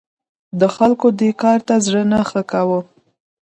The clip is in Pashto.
د خلکو دې کار ته زړه نه ښه کاوه.